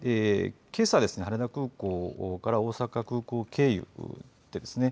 けさですね羽田空港から大阪空港経由でですね